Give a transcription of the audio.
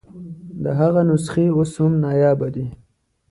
د هغه نسخې اوس هم نایابه دي.